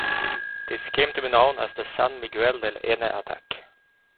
This came to be known as the San Miguel del Ene attack.